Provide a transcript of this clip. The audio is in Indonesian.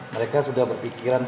mereka sudah berpikiran